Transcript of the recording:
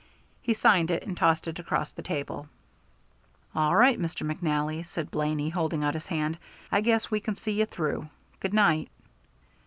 He signed it, and tossed it across the table. "All right, Mr. McNally," said Blaney, holding out his hand. "I guess we can see you through. Good night."